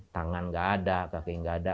tangan gak ada kaki nggak ada